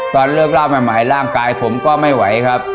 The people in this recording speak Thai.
ตอนเลิกเล่าใหม่ร่างกายผมก็ไม่ไหวครับ